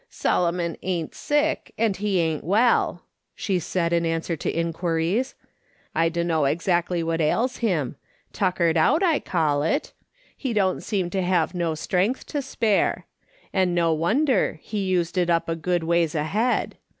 " Solomon ain't sick, and he ain't well," she said in answer to inquiries. " I dunno exactly what ails him ; tuckered out, I call it. He don't seem to have no strength to spare ; and no wonder, he used it up a good ways ahead.